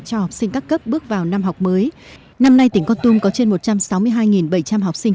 cho học sinh các cấp bước vào năm học mới năm nay tỉnh con tum có trên một trăm sáu mươi hai bảy trăm linh học sinh